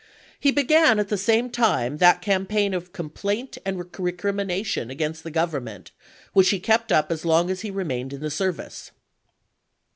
He began at the same time that cam paign of complaint and recrimination against the Government which he kept up as long as he re mained in the service.